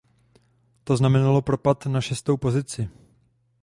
To znamenalo propad na šestou pozici.